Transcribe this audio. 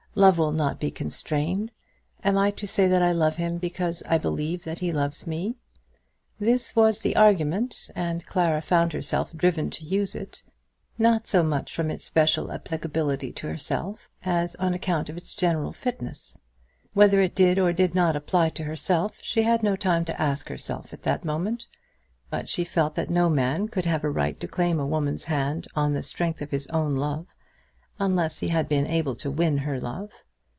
Love will not be constrained. Am I to say that I love him because I believe that he loves me?" This was the argument, and Clara found herself driven to use it, not so much from its special applicability to herself, as on account of its general fitness. Whether it did or did not apply to herself she had no time to ask herself at that moment; but she felt that no man could have a right to claim a woman's hand on the strength of his own love, unless he had been able to win her love.